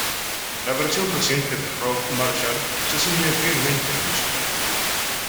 La versión reciente de Rob Marshall se ciñe fielmente al musical.